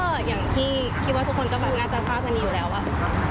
ก็อย่างที่คิดว่าทุกคนน่าจะทราบวันนี้อยู่แล้วว่า